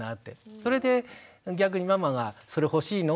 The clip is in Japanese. それで逆にママがそれ欲しいの？